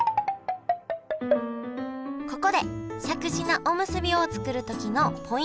ここでしゃくし菜おむすびを作る時のポイントをご紹介！